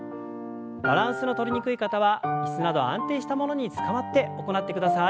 バランスのとりにくい方は椅子など安定したものにつかまって行ってください。